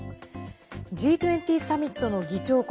Ｇ２０サミットの議長国